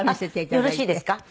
よろしいですか？